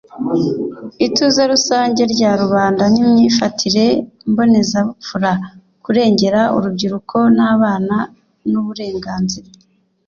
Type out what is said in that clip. ituze rusange rya rubanda n imyifatire mbonezabupfura ukurengera urubyiruko n abana n uburenganzira